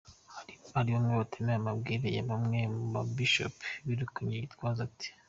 Hari bamwe batemeye amabwire ya bamwe mu ba Bishops birukanywe, Gitwaza ati:.